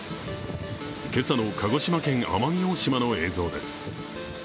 今朝の鹿児島県奄美大島の映像です。